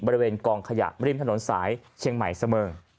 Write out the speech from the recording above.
บริเวณกองขยะริมถนนสายเชียงใหม่เสมิง